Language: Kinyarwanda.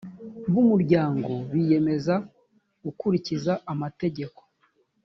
b umuryango biyemeza gukurikiza amategeko